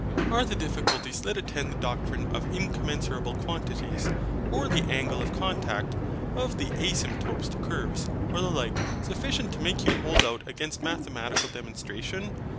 Are the difficulties that attend the doctrine of incommensurable quantities, of the angle of contact, of the asymptotes to curves, or the like, sufficient to make you hold out against mathematical demonstration?